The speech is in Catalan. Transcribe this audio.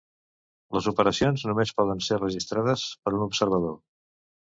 Les operacions només poden ser registrades per un observador.